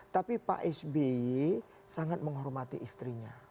tapi pak sby sangat menghormati istrinya